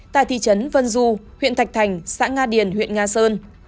tại thị trấn vân du huyện thạch thành xã nga điền huyện nga sơn